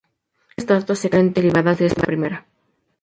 Las demás estatuas se creen derivadas de esta primera.